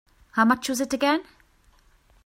How much was it again?